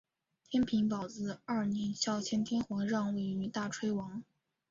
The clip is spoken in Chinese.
天平宝字二年孝谦天皇让位于大炊王。